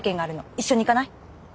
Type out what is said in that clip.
一緒に行かない？